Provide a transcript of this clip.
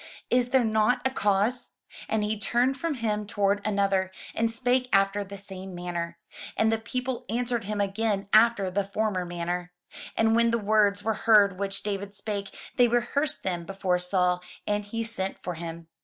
Is there not a cause?'' And he turned from him toward another, and spake after the same manner: and the people answered him again after the former manner. And when the words were heard which David spake, they rehearsed them before Saul: and he sent for him.